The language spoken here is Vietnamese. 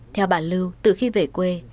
theo bà lưu từ khi về quê